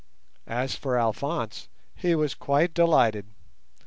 As for Alphonse, he was quite delighted.